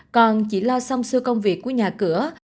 con chỉ lo xong xưa công việc của nhà cửa